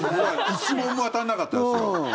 １問も当たらなかったです。